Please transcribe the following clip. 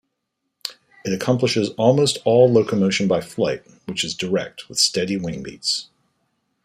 It accomplishes almost all locomotion by flight, which is direct, with steady wing beats.